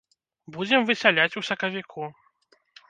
Будзем высяляць у сакавіку.